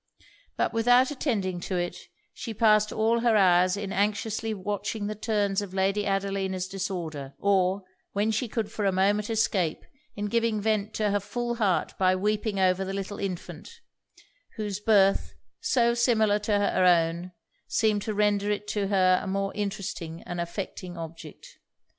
But without attending to it, she passed all her hours in anxiously watching the turns of Lady Adelina's disorder; or, when she could for a moment escape, in giving vent to her full heart by weeping over the little infant, whose birth, so similar to her own, seemed to render it to her a more interesting and affecting object.